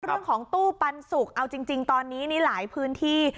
เรื่องของตู้ปันสุกเอาจริงตอนนี้นี่หลายพื้นที่